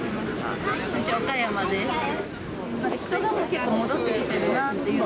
私、岡山です。